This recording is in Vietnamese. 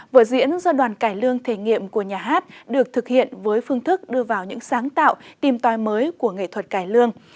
vở diễn do đoàn cải lương thể nghiệm của nhà hát được thực hiện với phương thức đưa vào những sáng tạo tìm tòi mới của nghệ thuật cải lương